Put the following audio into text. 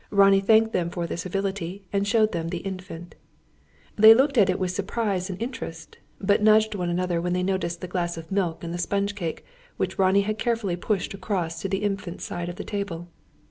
Ronnie thanked them for their civility, and showed them the Infant. They looked at it with surprise and interest; but nudged one another when they noticed the glass of milk and the sponge cake, which Ronnie had carefully pushed across to the Infant's side of the table.